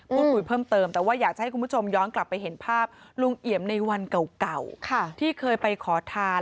พูดคุยเพิ่มเติมแต่ว่าอยากจะให้คุณผู้ชมย้อนกลับไปเห็นภาพลุงเอี่ยมในวันเก่าที่เคยไปขอทาน